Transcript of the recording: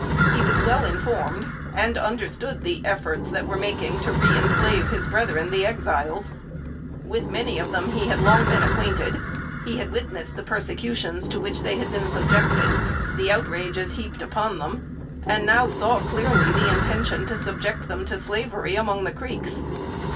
He was well informed, and understood the efforts that were making to reënslave his brethren, the Exiles. With many of them he had long been acquainted; he had witnessed the persecutions to which they had been subjected, the outrages heaped upon them, and now saw clearly the intention to subject them to slavery among the Creeks.